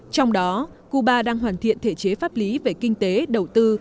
trong đó cuba đang hoàn thiện thể chế pháp lý về kinh tế đầu tư